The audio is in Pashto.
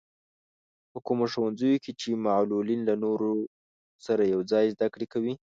په کومو ښوونځیو کې چې معلولين له نورو سره يوځای زده کړې کوي.